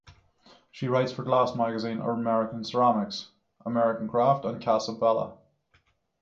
She writes for Glass Magazine, American Ceramics, American Craft and Casabella.